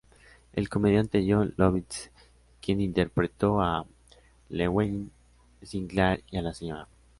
El comediante Jon Lovitz, quien interpretó a Llewellyn Sinclair y a la Sra.